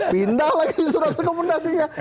pindah lagi surat rekomendasinya